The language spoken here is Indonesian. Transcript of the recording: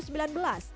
terbesar di dunia